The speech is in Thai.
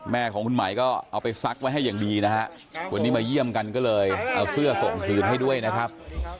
แม่ของคุณไหมก็เอาไปซักไว้ให้อย่างดีนะฮะวันนี้มาเยี่ยมกันก็เลยเอาเสื้อส่งคืนให้ด้วยนะครับ